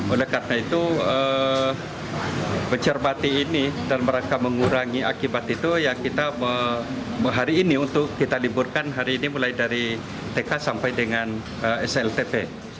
oleh karena itu mencermati ini dan mereka mengurangi akibat itu ya kita hari ini untuk kita liburkan hari ini mulai dari tk sampai dengan sltp